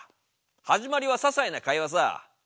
始まりはささいな会話さ。